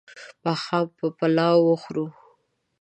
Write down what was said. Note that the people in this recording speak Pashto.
ماښام به پلاو وخورو